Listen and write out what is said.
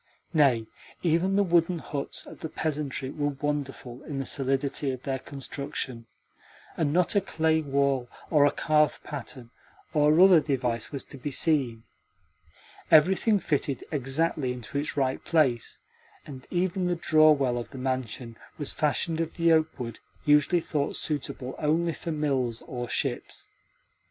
Nay, even the wooden huts of the peasantry were wonderful in the solidity of their construction, and not a clay wall or a carved pattern or other device was to be seen. Everything fitted exactly into its right place, and even the draw well of the mansion was fashioned of the oakwood usually thought suitable only for mills or ships.